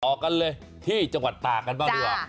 กันเลยที่จังหวัดตากกันบ้างดีกว่า